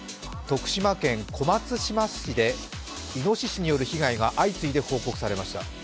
徳島県小松島市でイノシシによる被害が相次いで報告されました。